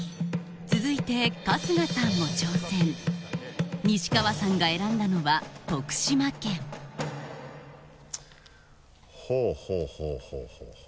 続いて春日さんも挑戦西川さんが選んだのは徳島県ほぉほぉ。